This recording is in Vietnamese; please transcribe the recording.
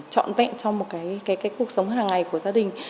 chọn vẹn trong một cái cuộc sống hàng ngày của gia đình